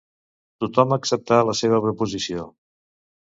Tothom acceptà la seva proposició.